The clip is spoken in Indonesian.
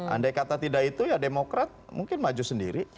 andai kata tidak itu ya demokrat mungkin maju sendiri